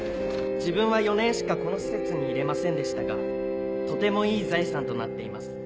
「自分は４年しかこの施設にいれませんでしたがとてもいい財産となっています。